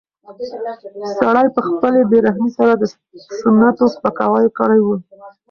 سړي په خپلې بې رحمۍ سره د سنتو سپکاوی کړی و.